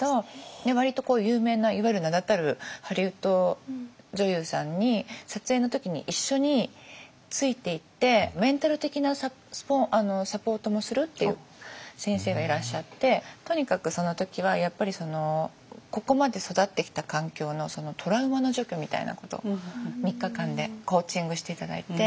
割と有名ないわゆる名だたるハリウッド女優さんに撮影の時に一緒についていってメンタル的なサポートもするっていう先生がいらっしゃってとにかくその時はやっぱりここまで育ってきた環境のトラウマの除去みたいなこと３日間でコーチングして頂いて。